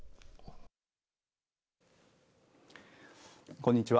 こんにちは。